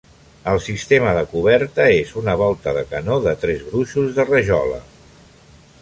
El sistema de coberta és una volta de canó de tres gruixos de rajola.